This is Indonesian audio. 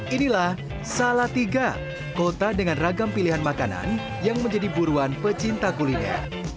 inilah salatiga kota dengan ragam pilihan makanan yang menjadi buruan pecinta kuliner